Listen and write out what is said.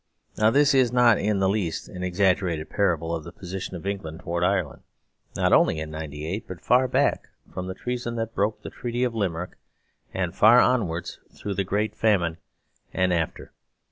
Now this is not in the least an exaggerated parable of the position of England towards Ireland, not only in '98, but far back from the treason that broke the Treaty of Limerick and far onwards through the Great Famine and after.